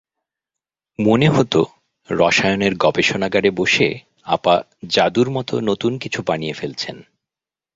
মনে হতো, রসায়নের গবেষণাগারে বসে আপা জাদুর মতো নতুন কিছু বানিয়ে ফেলছেন।